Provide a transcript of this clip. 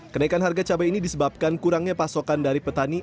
kenaikan harga cabai ini disebabkan kurangnya pasokan dari petani